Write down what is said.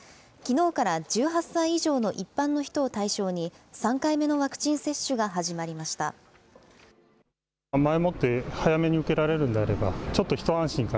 きのうから１８歳以上の一般の人を対象に、３回目のワクチン接種が始まりました。